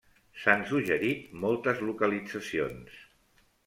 S'han suggerit moltes localitzacions.